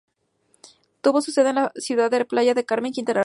Tuvo su sede en la ciudad de Playa del Carmen, Quintana Roo.